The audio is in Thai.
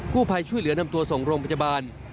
ผู้ภัยช่วยเหลือนำตัวส่งโรงพยาบาล